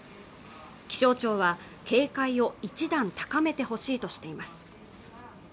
気象庁は警戒を一段高めてほしいとしています